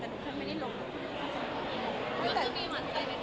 เพื่อนก็ไปกันก็คือถ่ายกันหลายคนคือแต่หนูเคยไม่ได้ลง